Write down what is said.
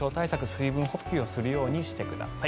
水分補給をするようにしてください。